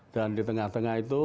dan di tengah tengah itu